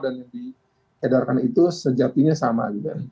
dan yang diedarkan itu sejatinya sama